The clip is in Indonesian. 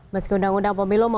meski undang undang pemilu